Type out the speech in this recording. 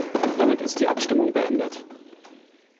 Damit ist die Abstimmung beendet.